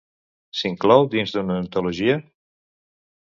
S'inclou dins d'una antologia?